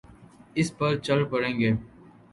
اسی پر چل پڑیں گے۔